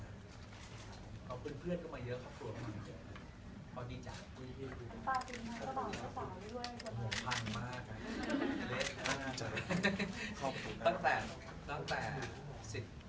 แล้วเพื่อนก็มาเยอะขอบคุณมาก